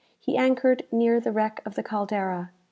He anchored near the wreck of the 'Caldera.'